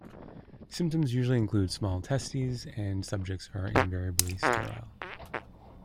Symptoms usually include small testes and subjects are invariably sterile.